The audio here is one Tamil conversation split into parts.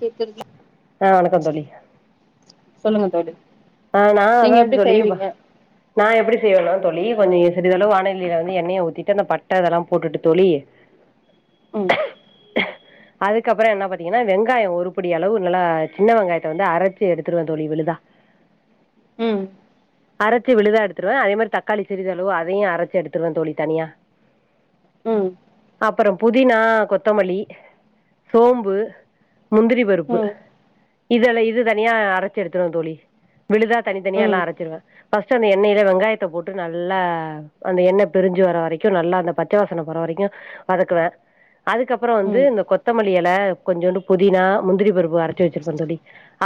கேக்குறது ஆ வணக்கம் தோழி சொல்லுங்க தோழி ஆ நா நீங்க அதா எப்டி தோழி செய்வீங்க நா எப்டி செய்வேன்னா தோழி கொஞ்சம் சிறிதளவு வானொலியில வந்து எண்ணெய ஊத்திட்டு அந்த பட்டை இதெல்லாம் போட்டுட்டு தோழி ம் அதுக்கப்பற என்ன பாத்தீங்கன்னா வெங்காயம் ஒரு புடி அளவு நல்லா சின்ன வெங்காயத்தை வந்து அரைச்சு எடுத்துடுவே தோழி விழுதா ம் அரைச்சி விழுதா எடுத்துடுவே அதே மாரி தக்காளி சிறிதளவு அதையு அரைச்சு எடுத்துடுவே தோழி தனியா ம் அப்பறோ புதினா கொத்தமல்லி சோம்பு முந்திரி பருப்பு ம் இதெல்லா இது தனியா அரைச்சு எடுத்துடுவே தோழி விழுதா தனித்தனியா எல்லா ம் அரைச்சிருவே ஃபஸ்ட்டு அந்த எண்ணெய்ல வெங்காயத்தை போட்டு நல்லா அந்த எண்ணெய் பிரிசு வர வரைக்கும் நல்லா அந்த பச்சை வாசன போர வரைக்கும் வதக்குவே அதுக்கப்பற வந்து ம் இந்த கொத்தமல்லியல கொஞ்சோண்டு புதினா முந்திரி பருப்பு அரைச்சி வச்சுருப்பே தோழி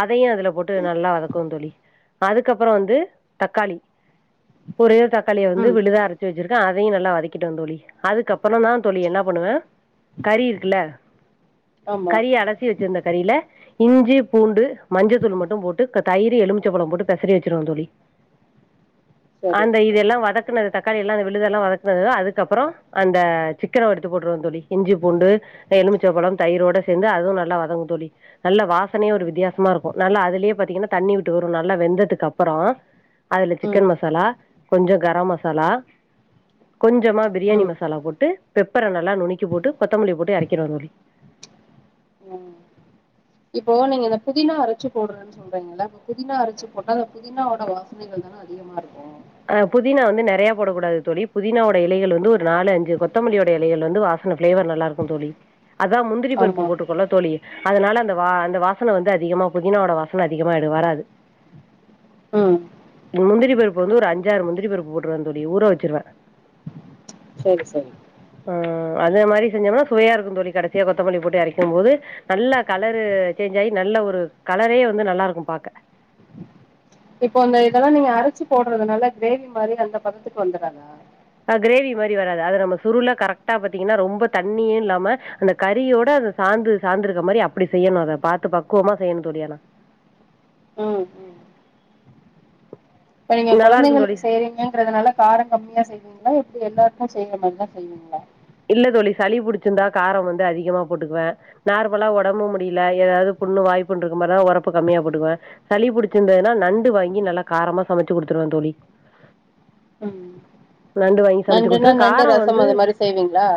அதையு அதில் போட்டு நல்லா வதக்குவ தோழி அதுக்கப்பற வந்து தக்காளி ஒரே ஒரு தக்காளி தக்காளிய வந்து ம் விழுதா அரச்சி வச்சிரு அதையு நல்லா வதக்கிடுவ தோழி அதுக்கப்பறந்தா தோழி என்ன பண்ணுவே கறி இருக்குல ஆமா கறி அலசி வச்சிருந்த கறில இஞ்சி பூண்டு மஞ்சத்தூள் மட்டும் போட்டு தயிரு எலும் பழம் போட்டு பெசறி வச்சிருவ தோழி சரி அந்த இதெல்லாம் வதக்குனது த க்காளி எல்லாம் அந்த விழுதெல்லாம் வதக்கது அதுக்கப்புறம் அந்த சிக்கன எடுத்து போட்டுருவம் தோழி இஞ்சி பூண்டு எலுமிச்சோப்பழம் தயிரோட சேர்ந்து அதுவும் நல்லா வதங்கும் தி நல்ல வாசனைய ஒரு வித்தியாசமா இருக்கும் நல்லா அதுலயே பாத்தீங்கன்னா தண்ணி விட்டு ட்டு நல்லா வெந்ததுக்கு அப்புறம் அதுல ம் சிக்கன் மசாலா கொஞ்சம் கரம் மசாலா கொஞ்சமா பிரியாணி ம் மசாலா போட்டு பெப்பரை நல்லா நுணக்கி போட்டு கொத்தமல்லி போட்டு இறக்கிறுவ தோழி ம் இப்போ நீங்க இந்த புதினா அரிச்சு போடுறன்னு சொல்றீங்கல்ல இப்ப புதினா அரைச்சு போட்டா அந்த புதினாவோட வாசனைகள் தான அதிகமா இருக்கும் ஆஹ் புதினா வந்து நிறைய போடக்க கூடாது தோழி புதினாவோட இலைகள் வந்து ஒரு நாலு அஞ்சு கொத்தமல்லியோட இலைகள் வந்து வாசனை ஃபிளேவர் நல்லா இருக்கும் தோழி அதான் முந்திரி ஆமா பருப்பு போட்டு கொள்ள தோழி அதனால அந்த வா அந்த வாசனை வந்து அதிகமா புதினாவோட வாசனை அதிகமாடு வராது ஹம் முந்திரி பருப்பு வந்து ஒரு அஞ்சாரு முந்திரி பருப்பு போட்டுருவ தோழி ஊற வச்சிருவேன் சரி சரி ஆஹ் அது மாதிரி செஞ்சோம்னா சுவையா இருக்கும் தோழி கடைசியா கொத்தமல்லி போட்டு அரைக்கும் போது நல்ல கலரு சேஞ்ச் ஆகி நல்ல ஒரு கலரே வந்து நல்லா இருக்கும் பாக்க இப்போ அந்த இதெல்லாம் நீங்க அரைச்சு போடுறதுனால கிரேவி மாதிரி அந்த பதத்துக்கு வந்துறாதா அஹ் கிரேவி மாதிரி வராது அத நம்ம சுருல கரெக்டா பாத்தீங்கன்னா ரொம்ப தண்ணியும் இல்லாம அந்த கறியோட அ சாந்து சாந்துருக்க மாதிரி அப்படி செய்யணும் அத பாத்து பக்குவமா செய்யணும் தோழி யானா ம் ம் இப்ப நீங்க குழந்தைங்களுக்கு செய்றீங்கங்கதுனால காரம் கம்மியா செய்வீங்களா எல்லாருக்கும் செய்ய மாதிரதா செய்வீங்களா இல்ல தோழி சளி புடிச்சிருந்தா காரம் வந்து அதிகமா போட்டுக்குவேன் நார்மலா உடம்பு முடியல ஏதாவது புண்ணு வாய்ப்புன்ன இருக்கு மாதிரிதான் உரப்ப கம்மியா போட்டுக்குவேன் சளி புடிச்சிருந்ததுன்னா நண்டு வாங்கி நல்லா காரமா சமைச்சு குடுத்துருவேன் தோழி ம் நண்டு வாங்கி சமைச்சு நண்டுன்னா குடுத்துரும்ம் நண்டு காரம் ரசம் வந்து அது மாரி செய்வீங்களா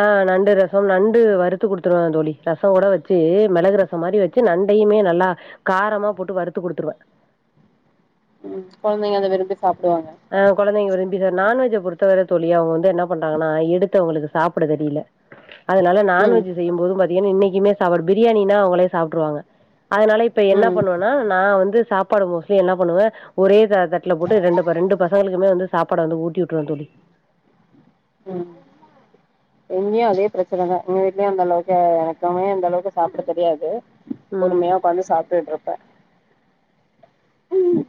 ஆஹ் நண்டு ரசம் நண் டு வறுத்து குடுத்துருவேன் தோழி ரசம் கூட வச்சு மிளகு ரசம் மாதிரி வச்சு நண்டையுமே நல்லா காரமா போட்டு வறுத்து குடுத்துருவேன் கொழந்தைங்க அத விரு ஆஹ் குழந்தைங்க விரும்பி சா நான்வெஜ பொறு த்த வர தோழி அவங்க வந்து என்ன பண்றாங்கன்னா எடுத்து அவங்களுக்கு சாப்பிட தெரியல அதனால ம் நான்வெஜ் செய்யும் போதும் பாத்தீங்கன்ன இன்னைக்கு [unintelligible] பிரியாணின்னா அவங்களே சாப்ட்ருவாங்க அதனால இப்ப என்ன ம் பண்ணுவனா நான் வந்து சாப்பாடு மோஸ்ட்லி என்ன பண்ணுவ ஒரே தட்டுல போட்டு ரெண்டு ப ரெண்டு பசங்களுக்குமே வந்து சாப்பாட வந்து ஊட்டி விட்டுருவ தோழி ம் இங்கேயு அதே பிரச்சனைதான் எங்க வீட்லயும் அந்த அளவுக்கு எனக்குமே அந்த அளவுக்கு சாப்பிட தெரியாது ம் பொறுமையா உக்காந்து சாப்டுட்டு இருப்ப ம்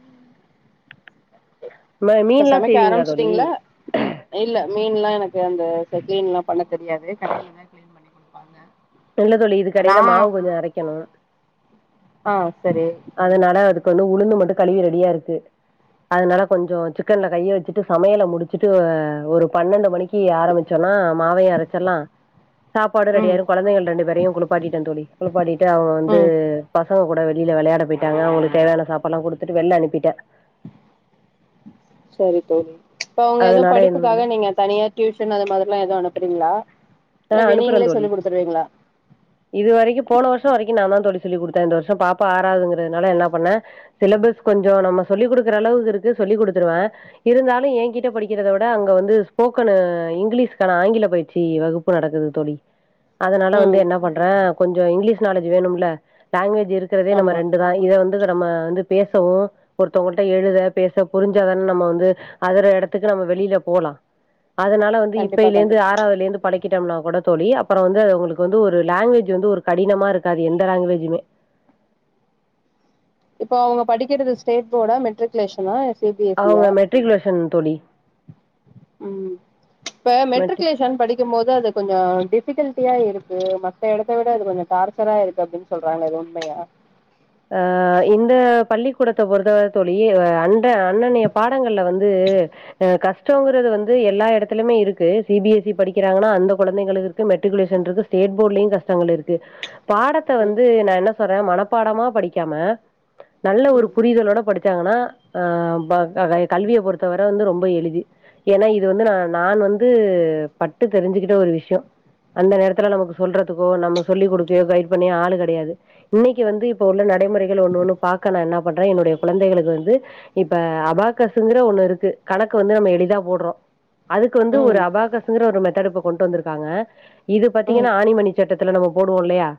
ம மீன் எல்லாம் சமைக்க செய்வீங்களா தோழி மீன் எல்லாம் எனக்கு அந்த க்ளீன் எல்லாம் பண்ண தெரியாது கடையில தான் க்ளீன் பண்ணி கொடுப்பாங்க இல்ல தோழி இதுக்கெடையில மாவு கொஞ்சம் அரைக்கணும் ஆ சரி அதுனால வந்து உளுந்து மட்டும் கழுவி ரெடியா இருக்கு அதனால கொஞ்சம் சிக்கன்ல கையை வச்சுட்டு சமையலை முடிச்சுட்டு ஒரு பன்னெண்டு மணிக்கு ஆரம்பிச்சோம்னா மாவைய அரைச்சல்லாம் சாப்பாடு ரெடியா ம் இருக்கும் ரெண்டு பேரையும் குளிப்பாட்டிட்டே தோழி குளிப்பாட்டிட்டு அவன் வந்து ம் ப சங்க கூட வெளியில விளையாட போயிட்டாங்க அவங்களுக்கு தேவையான சாப்பாடு எல்லாம் கொடுத்துட்டு வெளில அனுப்பிட்டேன் சரி தோழி இப்ப அவங்க எதோ அதனால இனிமேலு படிப்புக்காக நீங்க தனியா டியூஷனு அது மாதிரிலா எதுவு அனுப் சரிங்களா ஆ அனுப்புறே தோழி இது வரைக்கு போன வருஷோ வரைக்கு நா தா தோழி சொல்லி குடுத்த அந்த வருஷோ பாப்பா ஆறாவதுங்கறதுனால என்ன பன்ன சிலபஸ் கொஞ்ச நம்ம சொல்லி குடுக்கற அளவுக்கு இருக்கு சொல்லி குடுத்துருவ இருந்தாலு ஏகிட்ட படிக்கிறத விட அங்க வந்து ஸ்போக்கனு இங்கிலிஷ்கான ஆங்கில பயிற்சி வகுப் பு நடக்குது தோழி அதனால வந்து ம் என்ன பண்றே கொஞ்ச இங்கிலீஷ் ட்டு நாலேஜ் வேணும்ல லாங்வேஜ் இருக்றதே நம்ம ஆமா ரெண்டு நாளைக்கு தா வந் எழுதுறமா வந்து பேசவோ ஒருத்தவங்கள்ட்ட எழுத பேச புரிஞ்சாதானே நம்ம வந்து அதர எடத்துக்கு நம்ம வெளியில போலா அதனால வந்து கண்டிப்பா இப்பேய்லந்து கண்டிப்பா ஆறாதுல இருந்து பழக்கீட்டம்னா கூட தோழி அப்றோ வந்து அது ஒங்ளுக்கு வந்து ஒரு லாங்வேஜ் வந்து ஒரு கடினமா இருக்காது எந்த லேங்குவேஜூமே இப்ப அவங்க படிக்கிறது ஸ்டேட் போர்டா மெட்ரிக்குலேஷனா அவங்க மெட்ரிகுலேஷன் தோழி ம் இப்ப மெட்ரிக் மெட்ரிக்குலேஷன் படிக்கும் போது அது கொஞ்சோம் டிஃபிகல்ட்டியா இருக்கு மத்த எடத்த விட அது கொஞ்ச டார்ச்சரா இருக்கு அப்டின் சொல்றாங்கல்ல அது உண்மையா அ இந்த பள்ளிக்கூடத்த பொறுத்த வரத் தோழி அண்ட அன்னனைய பாடங்கள்ல வந்து அ கஷ்டங்கறது வந்து எல்லா எடத்துலிலுமே இருக்கு சி பி எஸ் இ படிக்கிறாங்கன்னா அந்த கொழந்தைங்களுக்கு இருக்கு மெட்ரிக்குலேஷன் இருக்கு ஸ்டேட் போர்ட்லயும் கஷ்டங்கள் இருக்கு பாடத்த ம் வந்து நான்ன சொறேன் மனப்பாடமா படிக்காம நல்ல ஒரு ம் புரிதலோட படித் சாங்கன்னா ஆ கல்விய பொறுத்தவர வந்து ரொம்ப எளிது ஏன்னா இது வந்து நா நான் வந்து பட்டு தெரிஞ்சுகிட்ட ஒரு விஷ்யம் அந்த நேரத்துல நமக் சொல்றதுக்கோ நம்ம சொல்லிக் கொடுக்க கைட் பண்ணி ஆள் கடையாது இன்னைக்கி வந்து இப் இப்ப உள்ள நடைமுறைகள் ஒண்ணு ஒண்ணு பாக்க நா என்ன பண்றேன் என்னுடைய கொழந்தைகளுக்கு வந்து இப்ப அபாக்கஸ்சுங்கிற ஒண்ணு இருக்கு கணக்கு வந்து நம்ம எளிதா போட்றோம் அதுக்கு வந்து ஒரு ம் அபாகஸ்ங்கிற ஒரு மெத்தடு கொண்டு வந்துருக்காங்க இது ம் பாத்தீங்கன்னா ஆணிமணி சட்டத் த்துல நம்ம போடுவோம் இல்லயா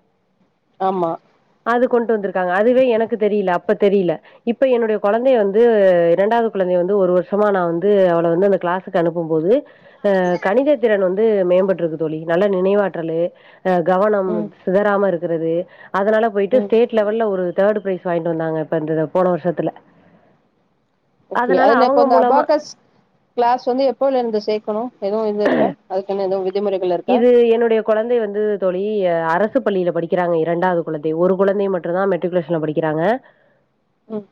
ஆமா கொண்டு வந்துருக்காங்க அதுவே எனக்கு தெரியில அப்ப தெரிபில இப்ப என்னுடைய கொழந்தைய வந்து ரெண்டாவது கொழந்தை வந்து ஒரு வருஷமா நா வந்து அவள வந்து அந்த கிளாஸுக்கு அனுப்பும் போது அ கணித திறன் வந்து மேம்பட்டுருக்கு தோழி நல்ல நினைவாற்றலு ஆ கவனம் ம் சிதறாம இருக்குறது அதனால போயிட்டு ம் ஸ்டேட் லெவல்ல ஒரு தேர்டு பிரைஸ் வாங்கிட்டு வந்தாங்க இப்ப இந்த போன வருஷத்துல ஓகே அதனால அதுல இப்ப அவங்க இந்த மூலமா அபாகஸ் கிளாஸ் வந்து எப்பல இருந்து சேக்கணு எதுவு இது இருக்கா அதுக்கு என்ன எது இது என்னுடைய கொழந்தை வந்து தோழி அ அரசு பள்ளில படிக்கிறாங்க இரண்டாவது கொழந்தை ஒரு கொழந்தை மட்டுந்தா மெட்ரிகுலேஷன்ல படிக்கிறாங்க ம்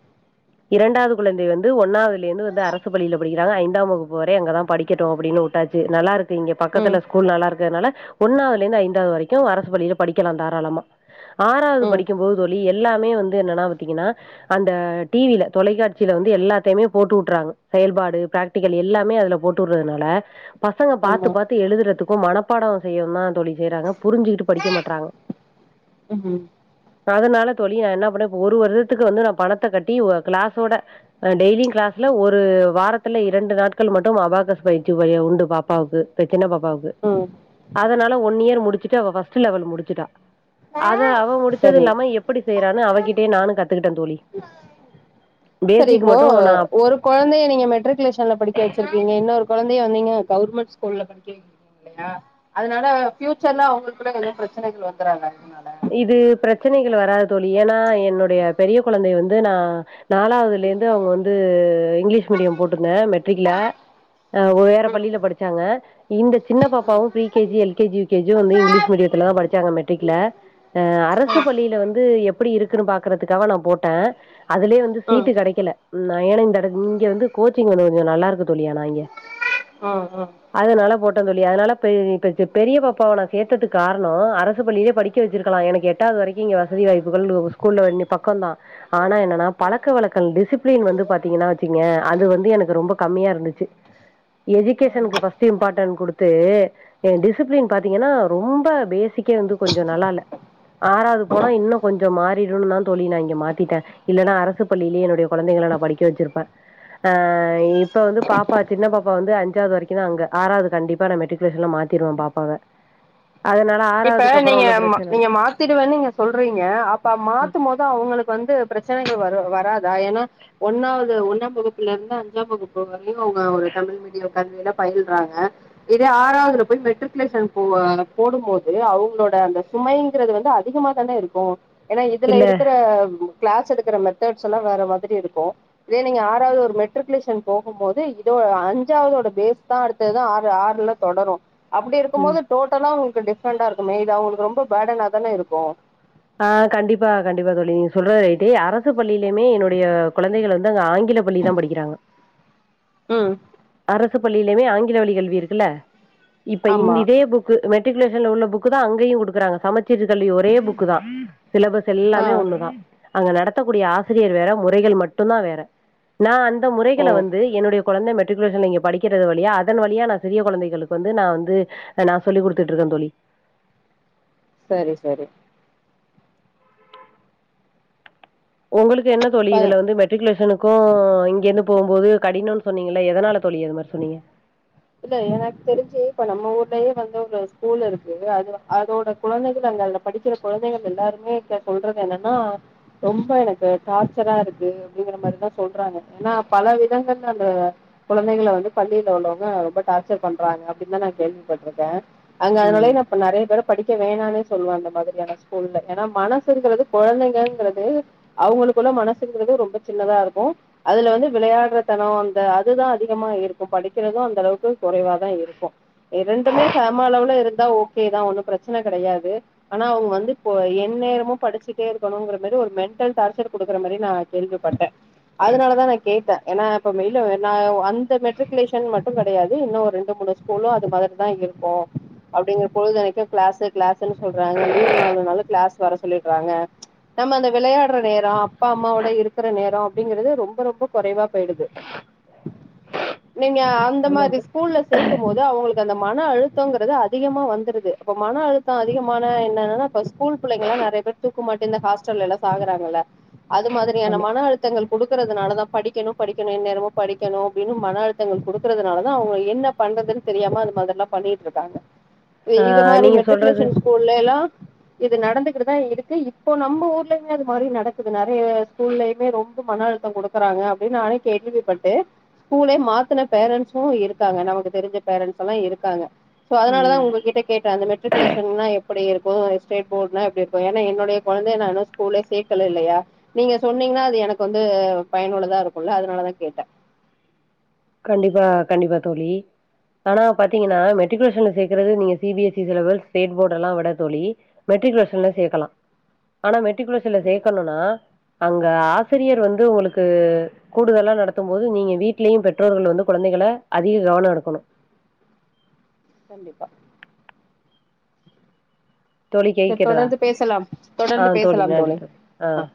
இரண்டாவது குழந்தை வந்து ஒன்னாவ லேந்து அரசு பள்ளில படிக்கிறாங்க ஐந் தாம் வகுப்புவரை அங்கதா படிக்கட்டூ அப்டின்னு உட்டாச்சு நல்லாருக் இங்க ம் பக்கத்துல இருக்கிறத்னால ஒன்னாவதுலேந்து ஐந்தாவது வரைக்கூ அரசு பள்ளியில படிக்கலா தாராளமா ஆறாவது ம் படிக்கும்போது தோழி எல்லாமே வந்து என்னன்னா பாத்தீங்கன்னா அந்த டிவில தொலைக்காட்சியில வந்து எல்லாத்தையுமே போட்டுவுட்டுறாங்க செயல்பாடு பிராக்டிக்கல் எல்லாமே அதுல போட்டுவுடுறதுனால பசங்க பாத்து ஆமா பாத்து எழுதுறதுக் கூ மனப்பாடோ செய்யவூ தா தோழி செய்றாங்க புரிஞ்சுக்கிட்டு படிக்க மாட்றாங்க ம்ம் அதனால தோழி நா என்ன பண்ணே இப்ப ஒரு வருடத்துக்கு வந்து நா பணத்த கட்டி ஒ கிளாஸோட டெய்லியூ கிளாஸ்ல ஒரு வாரத்துல இரண்டு நாட்கள் மட்டூ அபாக்கஸ் பயிற்சி வை உண்டு பாப்பாவுக்கு சின்ன பாப்பாவுக்கு ம் அதனால ஒன் இயர் முடிச்சுட் டு அவ ஃபஸ்ட் லெவல் முடிச்சுட்டா அத அவ முடிச்சது இல்லாம எப்படி செய்யறானு அவகிட் அப்டி நானூ கத் செரி பேசிக் இப்போ மட்டு நா ஒரு கொழந்தைய நீங்க மெட்ரிகுலேஷன்ல படிக்க வச்சிருக்கீங்க இன்னொருக் கொழந்தைய வந்தீங்க கவுர்மெண்ட் ஸ்கூல்ல படிக்க வக்றீங்க இல்லையா அதனால ஃபியூச்சர்ல அவங்களுக்குள்ள எதுவூ ப்ரச்சனைகள் வந்துராதா இதனால இது பிரச்சனைகள் வராது தோழி ஏன்னா என்னுடைய பெரிய கொழந்தைய வந்து நா நாலாவதுலேந்து அவுங்க வந்து இங்கிலீஷ் மீடியோ போட்டிருந்தே மெட்ரிக்ல அ வேற பள்ளியில படிச்சாங்க இந்த சின்ன பாப்பாவு pre K G L K G U K G வந்து இங்கிலீஷ் மீடியத்துல தா படிச்சாங்க மெட்ரிக்ல அ அரசு பள்ளில வந்து எப் ப்டி இருக்கூன்னு பாக்கறதுக்கா நா போட்டே அதுலயே வந்து ம் சீட்டு கெடைக்கல நா ஏன்னா இந்த எட இங்க வந்து கோச்சிங் வந்து கொஞ்சோ நல்லாருக்கு சொல்லியா நா இங்க ம் ம் அதனால போட் டேந் தோழி அதனால பெ பெ சு பெரிய பாப்பாவ நா சேத்ததுக் காரணோ அரசு பள்ளியிலே படிக் க வச்சிருக்கலா எனக்கு எட்டாவது வரைக்கி இங்க வசதி வாய்ப் சுகளு ஸ்கூல்ல வண்டி பக்கந் தா ஆனா என்னன்னா பழக்க வழக்கன் டிசிப்ளின் வந்து பாத்தீங்கன்னா வச்சிங்க அது வந் து எனக்கு ரொம்ப கம்மியா இருந்துச்சு எஜிகேஷனுக்கு ம் ஃபஸ்ட்டு இம்பார்டன் குடுத் து அ டிசிப்ளின் பாத்தீங்கன்னா ரொம்ப பேசிக்கே வந்து கொஞ் சோ நல்லால்ல ஆறாவது போனா இன்னு கொஞ்சோ மாறிருன்னுனா தோழி நா இங்க மாத்திட்டே இல்லேன்னா அரசு பள்ளியிலேயே என்னோட கொழந்தைங்கள நா படிக்க வச்சிருப்பே ஆ இப்ப வந்து பாப்பா சின்ன பாப்பா வந்து அஞ்சாவ்து வரைக்கு தா அங்க ஆறாவ்து கண்டிப்பா நா மெட்ரிகுலேஷன்ல மாத்திருவே பாப்பாவ அதனால இப்ப ஆறாவது நீங்க ம நீங்க மாத்திடுவேன்னு நீங்க சொல்றீங்க அப்ப மாத்தும்போது அவங்களுக்கு வந்து பிரச்சனைகள் வரு வராதா ஏன்னா ஒன்னாவது ஒன்னாம் வகுப்புல இருந்து அஞ்சாம் வகுப்பு வரையு அவங்க ஒரு தமிழ் மீடியம் கல்வியில பயில்றாங்க இதே ஆறாவதுல போய் மெட்ரிகுலேஷன் போ போடும்போது து அவங்களோட அந்த சுமைங்கிறது வந்து அதிகமா தானே இருக்கு ஏன்னா இதுல இல்ல இருக்கற கிளாஸ் எடுக்குற மெத்தட்ஸ் எல்லா வேற மாதிரி இருக்கு இதே நீங்க ஆறாவது ஒரு மெட்ரிகுலேஷன் போகும் போது இதோ அஞ்சாவதோட பேஸ் தா அடுத்ததா ஆறு ஆறுல தொடரு அப்படி இருக்கும் ம். போது டோட்டலா உங்களு ஃபுல் டே டிப்ரன்டா இருக்குமே இது அவங்களுக்கு ரொம்ப பேடனா தானே இருக்கு ஆஹ கண்டிப்பா கண்டிப்பா தோழி நீங்க சொல்றது ரைட்டு அரசு பள்ளியிலயுமே என்னுடைய கொழந்தைகள் வந்து அங்க ஆங்கில பள்ளிதா படிக்கிறாங்க உம் அரசு பள்ளியிலுமே ஆங்கில வழி கல்வி இருக்குல்ல இப்ப இந் ஆமா இதே புக்கு மெட் மெட்ரிகுலேஷன்ல உள்ள புக்கு தா அங்கயு குடுக்குறாங்க சமைச்சீர் கல்வி ஒரே புக் குதா சிலபஸ் ஆ எல்லாமே ஒண்ணுதா அங்க நடத் நடத்த கூடிய ஆசிரியர் வேற முறைகள் மட்டுந்தா வேற நா அந் த ஓ முறைகள வந்து என்னுடைய கொழந்த மெட்ரிகுலேஷன்ல இங்க படிக்கிறது வழியா அதன் வழியா நா சிறிய கொழந்தைங்களுக்கு வந்து நா வந்து நா சொல்லி் கொடுத்துட்டு இருக்கேன் தோழி செரி செரி உங்களுக் என்ன தோழி இப்ப இதுல வந்து மெட்ரிக்குலேஷனுக்கும் இங்கிருந்து போகும்போது கடினம் சொன்னீங்கல்ல எதனால தோழி அது மாரி சொன்னீங்க இல்ல எனக்கு தெரிஞ்சு இப்ப நம்ம ஊர்லயே வந்து ஒரு ஸ்கூல் இருக்கு அது அதோட குழந்தைகள் அங்க அதுல படிக்கிற குழந்தைகள் எல்லாருமே கே சொல்றது என்னன்னா ரொம்ப எனக்கு டார்ச்சரா இருக்கு அப்படிங்கிற மாரிதான் சொல்றாங்க ஏன்னா பல விதங்கள்ல அந்த குழந்தைகள வந்து பள்ளியில உள்ளவங்க ரொம்ப டார்ச்சர் பண்றாங்க அப்படின்னு தான் நான் கேள்விப்பட்ருக்கேன் அங்க ம் அதனாலையே நா இப்ப நெறைய பேர படிக்க வேணான்னே சொல்லுவன் அந்த மாதிரியான ஸ்கூல்ல ஏன்னா மனசுங்கிறது கொழந்தைங்கங்கிறது அவங்களுக்குள்ள மனசுங்கிறது ரொம்ப சின்னதா இருக்கும் அதுல வந்து விளையாடுற தனம் அந்த அதுதான் அதிகமா இருக்கும் படிக்கிறதும் அந்த அளவுக் க்கு குறைவா தான் இருக்கும் இரண்டுமே சம அளவுல இருந்தா ஓக்கே தான் ஒன்னும் ப்ரச்சன கெடையாது ஆனா அவுங்க வந்து இப்போ எந்நேரமும் படிச்சிட்டே இருக்கனுங்கற மாரி ஒரு மெண்டல் டார்ச்சர் குடுக்குற மாரி நான் கேள்விப்பட்டேன் அதனாலதான் நான் கேட்டேன் ஏன்னா இப்ப மெயிலு நா அந்த மெட்ரிகுலேஷன் மட்டுந் கெடையாது இன்னும் ஒரு ரெண்டு மூணு ஸ்கூலு அது மாதிரி தான் இருக்கும் அப்படிங்கற பொழுது எனக்கே க்ளாசு க்ளாசுன்னு சொல்றாங்க லீவு நாளுன்னாலும் க்ளாஸ் வர சொல்லிட்றாங்க ச்சு நம்ம அந்த வெளையாட்ற நேரம் அப்பா அம்மோவோட இருக்குற நேரம் அப்படிங்கறது ரொம்ப ரொம்ப குறைவா போயிடுது நீங்க ந்த ஆமா மாரி தோழி ஸ்கூல்ல சேத் த்து மொத அவங்களுக்கு அந்த மன அழுத்தங்கிறது அதிகமா வந்துருது அப்ப மன அழுத்தம் அதிகமான என்னன்னா ஸ்கூல் புள்ளைங்கலா நெறைய பேர் தூக்கமாட்டி இந்த ஹாஸ்டல்லலா சாகறாங்கல்ல அது மாதிரியான ஆமா மன அழுத்தங்கள் குடுக்கறதுனால தான் படிக்கணும் படிக்கணும் எந்நேரமும் படிக்கணும் அப்படின்னு மன அழுத்தங்கள் குடுக் க்கிறதுனாலதான் அவங்க என்ன பண்றதுன்னு தெரியாம அந்த மாதிரி எல்லா பண்ணிட்டுருக்காங்க இ இது ஆ மாதிரி நீங்க சொல்றது மெட்ரிக்குலேஷன் ஸ்கூல்ல எல்லா இது நடந்துட் இப்படிதா இருக்கு இப்போ நம்ம ஊர்லயுமே அது மாரி நடக்குது நெறைய ஸ்கூல்லயுமே ரொம்ப மன அழுத்தம் குடுக்கறாங்க அப்படின்னு நானே கேள்விப்பட்டு ஸ்கூலே மாத்துன பேரன்ஸும் இருக்காங்க நமக்கு தெரிஞ்ச பேரண்ட்ஸ் எல்லா இருக்காங்க சோ ம் அதனாலான் உங்க கிட்ட கேட்ட அந்த மெட்ரிக்குலேஷன்னா எப்புடி இருக்கு ஸ்டேட் போர்ட்னா எப்டி இருக்கு ஏன்னா என்னுடையக் கொழந்தைய நா இன்னு ஸ்கூலே சேக்கல இல்லையா நீங்க சொன்னீங்கன்னா அது எனக்கு வந்து பயனுள்ளதா இருக்குல்ல அதனாலதா கேட்ட கண்டிப்பா கண்டிப்பா தோழி ஆனா பாத்தீங்கன்னா மெட்ரிகுலேஷன்ல்ல சேக்கறதுக்கு நீங்க சிபிஎஸ்சி சிலபஸ் ஸ்டேட் போர்ட் எல்லா விட தோழி மெட்ரிகுலேஷன்லே சேக்கலாம் ஆனா மெட் ட்ரிகுலேஷன்ல ம் சேக்கணுனா அங்க ஆசிரியர் வந்து உங்ளுக்கு கூடுதலா நடத்தும்போது நீங்க வீட்லியு பட் ற்றோர்கள் வந்து கொழந்தைகல அதிக கவன எடுக்கணு கண்டிப்பா தோழி சேர் கேக்கிறதா தொடர்ந்து பேசலா ஆ தொடர்ந்து பேசலா நன்றி தோழி ஆ அ